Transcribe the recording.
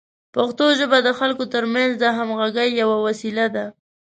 پښتو ژبه د خلکو ترمنځ د همغږۍ یوه وسیله ده.